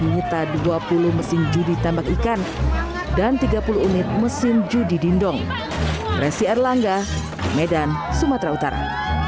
menyita dua puluh mesin judi tembak ikan dan tiga puluh unit mesin judi dindong resi erlangga medan sumatera utara